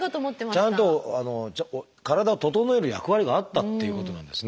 ちゃんと体を整える役割があったっていうことなんですね。